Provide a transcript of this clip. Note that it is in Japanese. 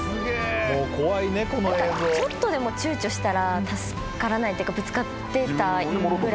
ちょっとでもちゅうちょしたら助からないっていうかぶつかってたぐらいの感じじゃないですか。